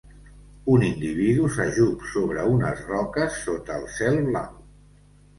Un individu s'ajup sobre unes roques sota el cel blau.